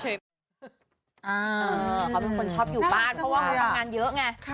เขาเป็นคนชอบอยู่บ้านเพราะว่าเขาทำงานเยอะไง